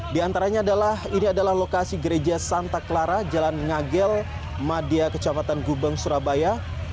di antaranya adalah ini adalah lokasi gereja santa clara jalan ngagel madia kecamatan gubeng surabaya